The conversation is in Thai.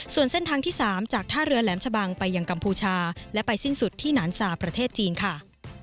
ส่วนเส้นทางที่๓จากท่าเรือแหลมชะบังไปยังกัมพูชาและไปสิ้นสุดที่หนานซาประเทศจีนค่ะ